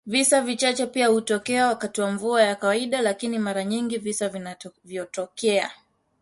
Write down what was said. Visa vichache pia hutokea wakati wa mvua ya kawaida lakini mara nyingi visa vinavyotokea